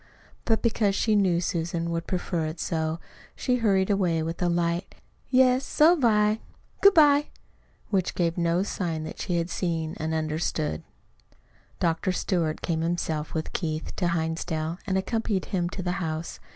But because she knew Susan would prefer it so, she turned away with a light "Yes, so've I. Good bye!" which gave no sign that she had seen and understood. Dr. Stewart came himself with Keith to Hinsdale and accompanied him to the house.